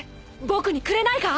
僕にくれないか？